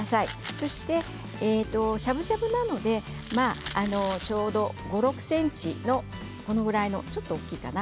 そしてしゃぶしゃぶなのでちょうど５、６ｃｍのこのぐらいのちょっと大きいかな。